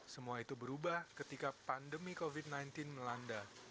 semua itu berubah ketika pandemi covid sembilan belas melanda